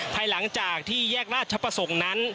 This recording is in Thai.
ภายหลังจากที่แยกราชประสงค์นั้น